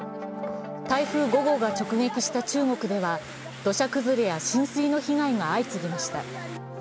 台風５号が直撃した中国では、土砂崩れや浸水の被害が相次ぎました。